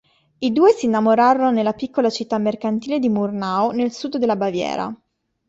I due si innamorarono della piccola città mercantile di Murnau nel sud della Baviera.